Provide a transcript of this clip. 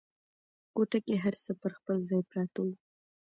کوټه کې هر څه پر خپل ځای پراته وو.